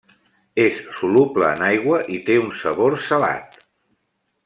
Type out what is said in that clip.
És soluble en aigua i té un sabor salat.